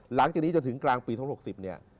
หลังจากนี้จนถึงกลางปีทั้ง๖๐เนี่ย